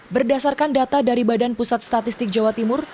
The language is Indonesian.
berdasarkan data dari badan pusat statistik jawa timur